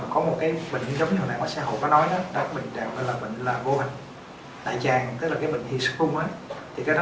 có một cái bệnh giống như hồi nãy bác sĩ hậu có nói đó